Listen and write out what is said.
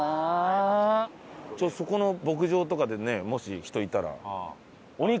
そこの牧場とかでねもし人いたら。